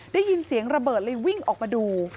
ได้ยินเสียงระเบิดเลยวิ่งออกมาดู